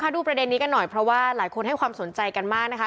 ดูประเด็นนี้กันหน่อยเพราะว่าหลายคนให้ความสนใจกันมากนะคะ